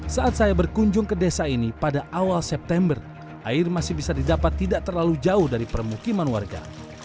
saat saya berkunjung ke desa ini pada awal september air masih bisa didapat tidak terlalu jauh dari permukiman warga